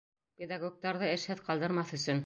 Педагогтарҙы эшһеҙ ҡалдырмаҫ өсөн